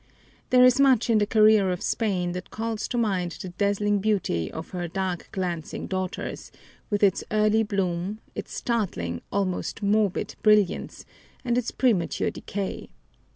There is much in the career of Spain that calls to mind the dazzling beauty of her "dark glancing daughters," with its early bloom, its startling almost morbid brilliance, and its premature decay.